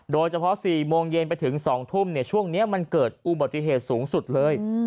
โดยเฉพาะ๔โมงเย็นไปถึง๒ทุ่มช่วงนี้มันเกิดอุบัติเหตุสูงสุดเลย